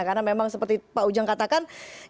karena memang seperti pak ujang katakan